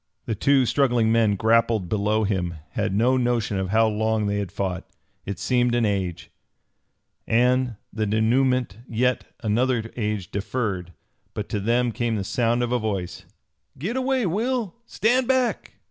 The two struggling men grappled below him had no notion of how long they had fought. It seemed an age, and the dénouement yet another age deferred. But to them came the sound of a voice: "Git away, Will! Stand back!"